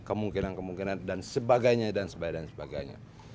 kemungkinan kemungkinan dan sebagainya dan sebagainya